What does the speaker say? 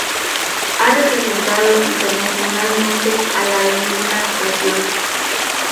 A representado internacionalmente a la en una ocasión.